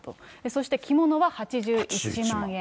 そして着物は８１万円。